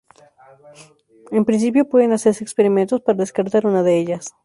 En principio pueden hacerse experimentos para descartar una de ellas.